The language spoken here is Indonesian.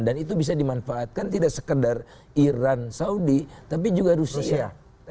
dan itu bisa dimanfaatkan tidak sekedar iran saudi tapi juga rusia